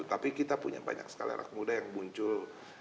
tapi kita punya banyak sekali anak muda yang muncul